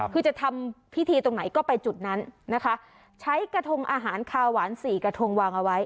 คือจะทำพิธีตรงไหนก็ไปจุดนั้นนะคะใช้กระทงอาหารคาวหวานสี่กระทงวางเอาไว้